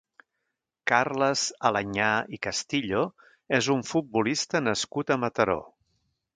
Carles Aleñá i Castillo és un futbolista nascut a Mataró.